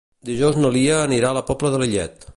Dijous na Lia anirà a la Pobla de Lillet.